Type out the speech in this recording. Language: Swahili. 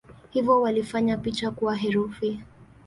Hivyo walifanya picha kuwa herufi.